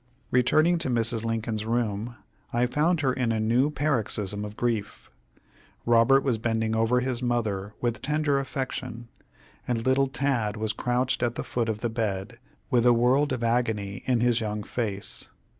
Returning to Mrs. Lincoln's room, I found her in a new paroxysm of grief. Robert was bending over his mother with tender affection, and little Tad was crouched at the foot of the bed with a world of agony in his young face.